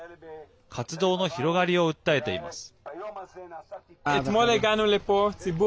活動の広がりを訴えています。